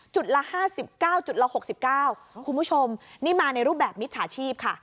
จุดละห้าสิบเก้าจุดละหกสิบเก้าคุณผู้ชมนี่มาในรูปแบบมิจฉาชีพค่ะ